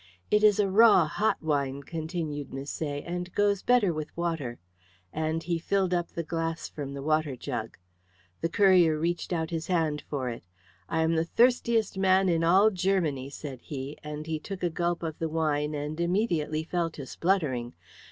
"It is a raw hot wine," continued Misset, "and goes better with water;" and he filled up the glass from the water jug. The courier reached out his hand for it. "I am the thirstiest man in all Germany," said he, and he took a gulp of the wine and immediately fell to spluttering.